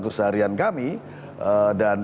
keseharian kami dan